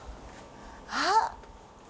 あっ。